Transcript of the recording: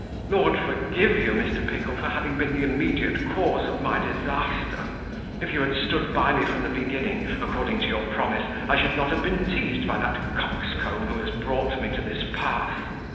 Lord forgive you, Mr. Pickle, for having been the immediate cause of my disaster. If you had stood by me from the beginning, according to your promise, I should not have been teased by that coxcomb who has brought me to this pass.